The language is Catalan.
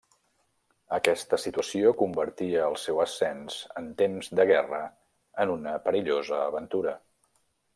Aquesta situació convertia el seu ascens en temps de guerra en una perillosa aventura.